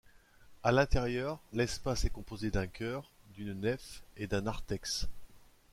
À l'intérieur, l'espace est composé d'un chœur, d'une nef et d'un narthex.